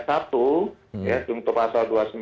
satu ya untuk pasal dua puluh sembilan